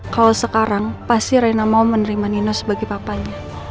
kalau sekarang pasti reina mau menerima nino sebagai papanya